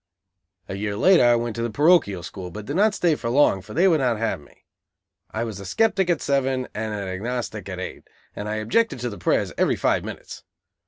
A year later I went to the parochial school, but did not stay long, for they would not have me. I was a sceptic at seven and an agnostic at eight, and I objected to the prayers every five minutes.